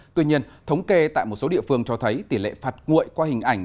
tuy nhiên thống kê tại một số địa phương cho thấy tỷ lệ phạt nguội qua hình ảnh